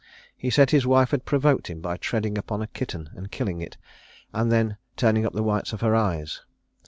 He said his wife had provoked him by treading upon a kitten, and killing it, and then turning up the whites of her eyes.